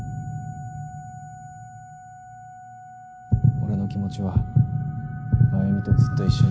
俺の気持ちは繭美とずっと一緒に。